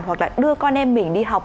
hoặc là đưa con em mình đi học